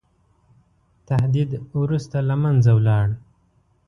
تهدید وروسته له منځه ولاړ.